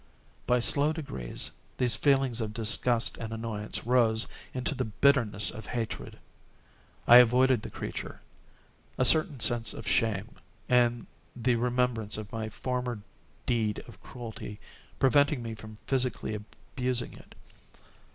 By slow degrees, these feelings of disgust and annoyance rose into the bitterness of hatred. I avoided the creature; a certain sense of shame, and the remembrance of my former deed of cruelty, preventing me from physically abusing it.